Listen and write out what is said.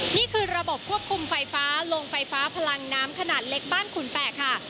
นี่คือระบบควบคุมไฟฟ้าโรงไฟฟ้าพลังน้ำขนาดเล็กบ้านขุนแปะค่ะ